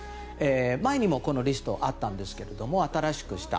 前にも、このリストはあったんですけれども新しくした。